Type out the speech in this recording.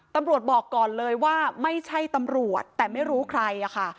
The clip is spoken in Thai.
ตำรวจบอกก่อนเลยว่าไม่ใช่ตำรวจแต่ไม่รู้ใครอะค่ะ